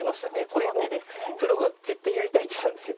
これもプロが絶対やりたい手なんですよ。